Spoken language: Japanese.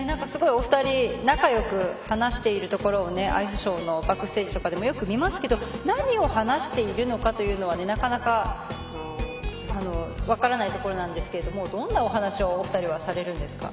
お二人、すごく仲よく話しているところをアイスショーのバックステージとかでも見ますけど何を話しているのかというのはなかなか分からないところなんですけどどんなお話をお二人はされるんですか？